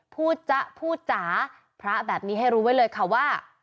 จ๊ะพูดจ๋าพระแบบนี้ให้รู้ไว้เลยค่ะว่า